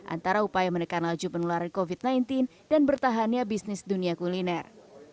antara upaya menekan laju penularan covid sembilan belas dan bertahannya bisnis dunia kuliner